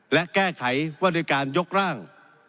และแก้ไขว่าด้วยการยกร่าง